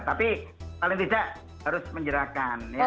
tapi paling tidak harus menjerahkan ya